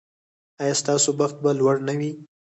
ایا ستاسو بخت به لوړ نه وي؟